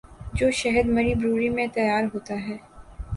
جو شہد مری بروری میں تیار ہوتا ہے۔